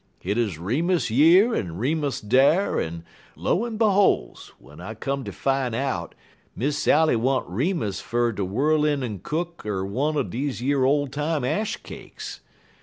Hit 'uz Remus yer en Remus dar, en, lo en beholes, w'en I come ter fine out, Miss Sally want Remus fer ter whirl in en cook 'er one er deze yer ole time ash cakes.